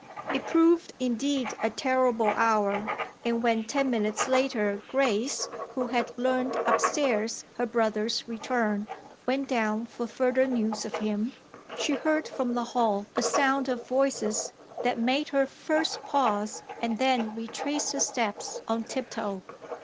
It proved indeed a terrible hour; and when ten minutes later Grace, who had learned upstairs her brother's return, went down for further news of him she heard from the hall a sound of voices that made her first pause and then retrace her steps on tiptoe.